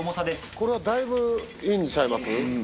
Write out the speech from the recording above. これはだいぶいいんちゃいます？